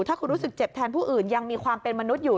ถ้าคุณรู้สึกเจ็บแทนผู้อื่นยังมีความเป็นมนุษย์อยู่